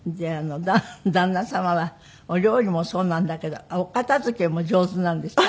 旦那様はお料理もそうなんだけどお片付けも上手なんですか？